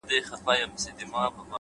د خدای لاسونه ښکلوم ورته لاسونه نيسم-